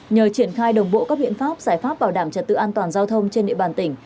nhờ triển khai đồng bộ các biện pháp giải pháp bảo đảm trật tự an toàn giao thông trên địa bàn tỉnh